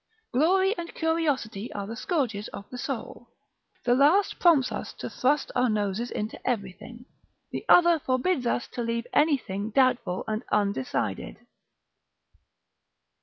Glory and curiosity are the scourges of the soul; the last prompts us to thrust our noses into everything, the other forbids us to leave anything doubtful and undecided.